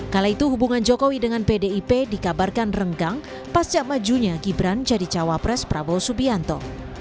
kala itu hubungan jokowi dengan pdip dikabarkan renggang pasca majunya gibran jadi cawapres prabowo subianto